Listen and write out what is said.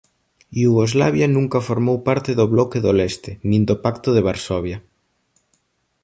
Iugoslavia nunca formou parte do Bloque do Leste nin do Pacto de Varsovia.